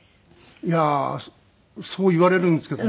いやあそう言われるんですけど。